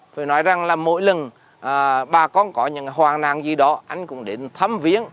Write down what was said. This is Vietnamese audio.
tôi nói rằng là mỗi lần bà con có những hoàn nạn gì đó anh cũng định thăm viên